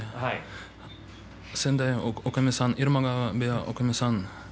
先代の入間川部屋のおかみさん